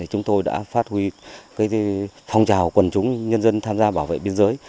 chúng tôi đã phát huy phong trào quần chúng nhân dân tham gia bảo vệ biên giới